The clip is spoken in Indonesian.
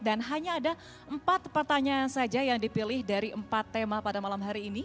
dan hanya ada empat pertanyaan saja yang dipilih dari empat tema pada malam hari ini